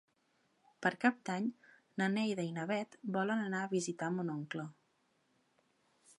Per Cap d'Any na Neida i na Bet volen anar a visitar mon oncle.